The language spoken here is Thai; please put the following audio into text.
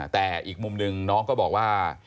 แต่อีกมุมหนึ่งน้องก็บอกว่า